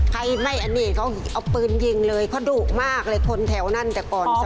ใครไม่อันนี้เขาเอาปืนยิงเลยเขาดุมากเลยคนแถวนั้นแต่ก่อน